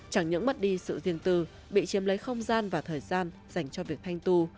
chẳng những mất đi sự riêng tư bị chiếm lấy không gian và thời gian dành cho việc thanh tù